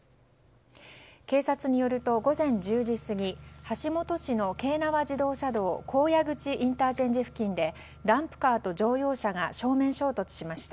警察によると午前１０時過ぎ橋本市の京奈和自動車道高野口ＩＣ付近でダンプカーと乗用車が正面衝突しました。